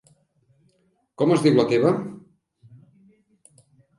Com es diu la teva.?